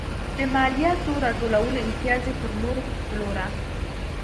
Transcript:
د مالیاتو راټولولو امتیاز یې پر نورو پلوره.